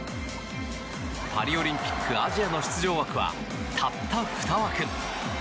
パリオリンピックアジアの出場枠はたった２枠。